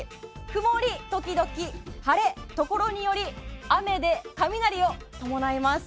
曇り時々晴れところにより雨で雷を伴います。